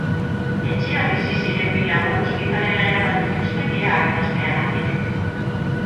Etxean bizi ziren bi lagun ospitalera eraman dituzte kea arnasteagatik.